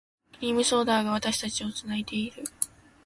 クリームソーダが、私たちを繋いでいる。